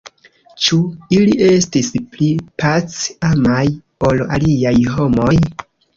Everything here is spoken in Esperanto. Ĉu ili estis pli pac-amaj ol aliaj homoj?